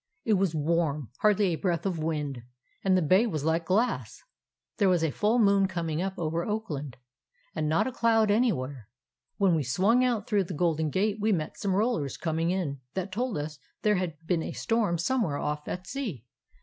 It was warm, hardly a breath of wind, and the bay was like glass; there was a full moon coming up over behind Oakland, and not a cloud any where. When we swung out through the Golden Gate we met some rollers coming in that told us there had been a storm somewhere off at sea.